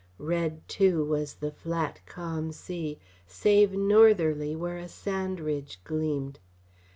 Red, too, was the flat, calm sea, save northerly where a sand ridge gleamed.